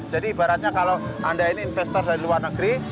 jadi ibaratnya kalau anda ini investor dari luar negeri